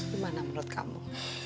gimana menurut kamu